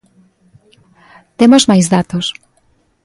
Temos máis datos.